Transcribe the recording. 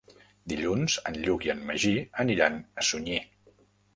Dilluns en Lluc i en Magí aniran a Sunyer.